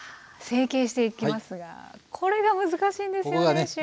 成形していきますがこれが難しいんですよね